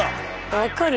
分かる。